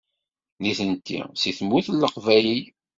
Nitenti seg Tmurt n Leqbayel.